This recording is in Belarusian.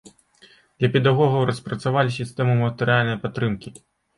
Для педагогаў распрацавалі сістэму матэрыяльнай падтрымкі.